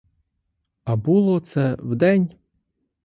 А було це вдень.